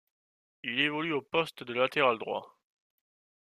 Il évolue au poste de latéral droit.